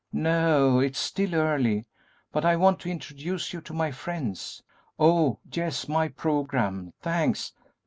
"No; it is still early, but I want to introduce you to my friends. Oh, yes, my programme; thanks!